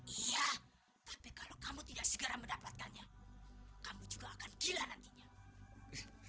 iya tapi kalau kamu tidak segera mendapatkannya kamu juga akan gila nantinya